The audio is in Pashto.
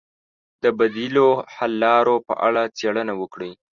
د بدیلو حل لارو په اړه څېړنه وکړئ.